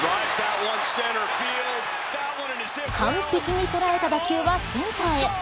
完璧に捉えた打球はセンターへ。